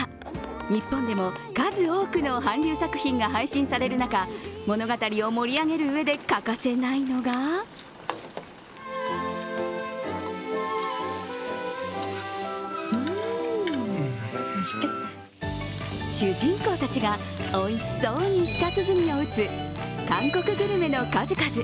日本でも数多くの韓流作品が配信される中、物語を盛り上げるうえで、欠かせないのが主人公たちがおいしそうに舌鼓を打つ韓国グルメの数々。